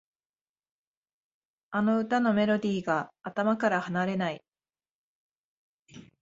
あの歌のメロディーが頭から離れない